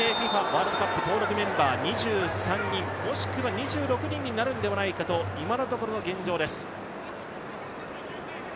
ワールドカップ登録メンバー２３人もしくは２６人になるんではないかと今のところの現状です。